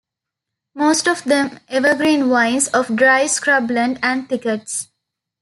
Most of them evergreen vines of dry scrubland and thickets.